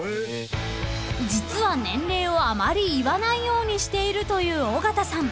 ［実は年齢をあまり言わないようにしているという尾形さん］